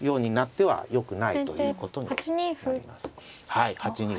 はい８二歩。